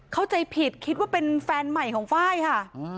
เข้าใจผิดคิดว่าเป็นแฟนใหม่ของไฟล์ค่ะ